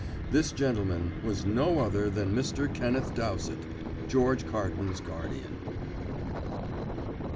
This gentleman was no other than Mr. Kenneth Dowsett, George Carton's guardian.